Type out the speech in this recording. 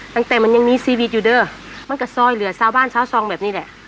ตั้งแต่มันยังมีชีวิตอยู่เด้อมันก็ซอยเหลือชาวบ้านชาวซองแบบนี้แหละ